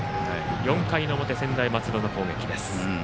４回の表、専大松戸の攻撃です。